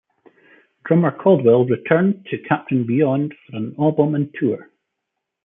Drummer Caldwell returned to Captain Beyond for an album and tour.